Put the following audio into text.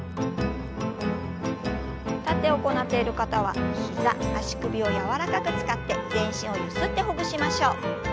立って行っている方は膝足首を柔らかく使って全身をゆすってほぐしましょう。